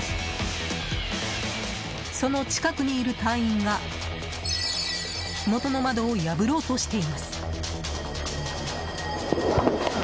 その近くにいる隊員が火元の窓を破ろうとしています。